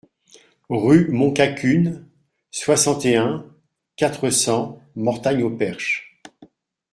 Rue Montcacune, soixante et un, quatre cents Mortagne-au-Perche